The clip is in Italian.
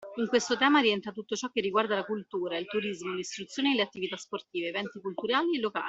In questo tema rientra tutto ciò che riguarda la cultura, il turismo, l’istruzione e le attività sportive, eventi culturali e locali.